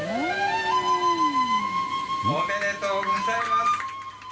おめでとうございます。